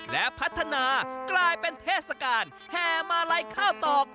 และพัฒนากลายเป็นเทศกาลแห่มาลัยข้าวตอก